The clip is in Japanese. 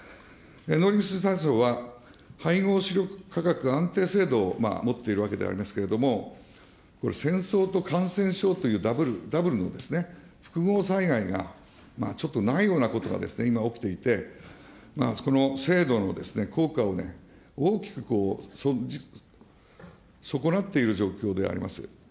農林水産省は、配合飼料価格安定制度を持っているわけでありますけれども、これ、戦争と感染症というダブルの複合災害が、ちょっとないようなことがですね、今、起きていて、この制度の効果を大きくこう、損なっている状況であります。